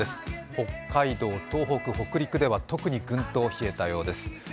北海道、東北、北陸では特にぐんと冷えたようです。